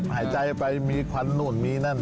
หายใจไปมีควันนู่นมีนั่น